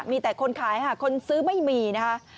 มีแต่คนขายค่ะคนซื้อไม่มีนะคะ